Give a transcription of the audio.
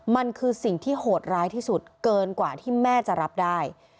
มันคือสิ่งที่โหดร้ายที่สุดเกินกว่าที่แม่จะรับได้